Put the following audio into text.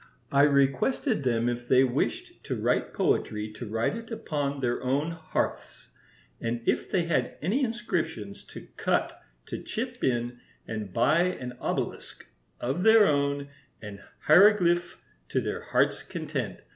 I requested them if they wished to write poetry to write it upon their own hearths, and if they had any inscriptions to cut to chip in and buy an obelisk of their own and hieroglyph to their hearts' content.